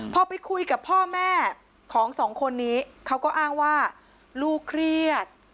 พอไปคุยกับพ่อแม่ของสองคนนี้เขาก็อ้างว่าลูกเครียด